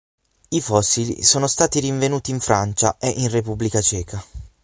I fossili sono stati rinvenuti in Francia e in Repubblica Ceca.